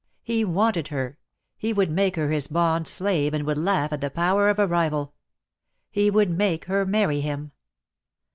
He wanted her. He would make her liis bond slave, and would laugh at the power of a rival. He would make her marry him.